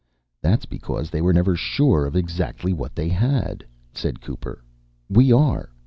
"That's because they were never sure of exactly what they had," said Cooper. "We are.